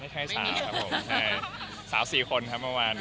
ไม่ใช่สาวครับผมสาว๔คนครับเมื่อวานครับ